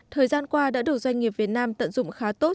thời gian qua đã được doanh nghiệp việt nam tận dụng khá tốt